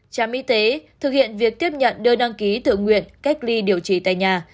trạm y tế thực hiện việc tiếp nhận đơn đăng ký tự nguyện cách ly điều trị tại nhà